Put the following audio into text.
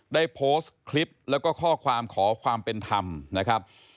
ได้โพสต์คลิปแล้วก็ข้อความขอความเป็นธรรมนะครับ